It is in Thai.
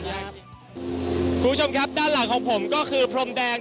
คุณผู้ชมครับด้านหลังของผมก็คือพรมแดง